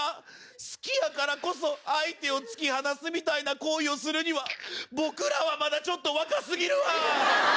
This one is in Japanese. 好きやからこそ相手を突き放すみたいな行為をするには僕らはまだちょっと若すぎるわ。